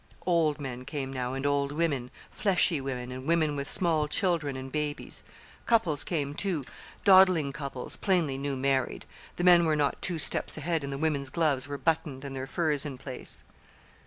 Old men came now, and old women; fleshy women, and women with small children and babies. Couples came, too dawdling couples, plainly newly married: the men were not two steps ahead, and the women's gloves were buttoned and their furs in place.